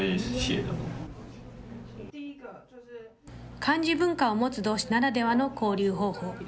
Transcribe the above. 漢字文化を持つどうしならではの交流方法。